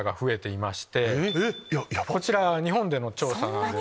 こちら日本での調査です。